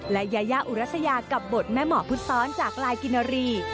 และยายาอุรัชยากับบทแม่หมอพุทธซ้อนจากลายกินนารี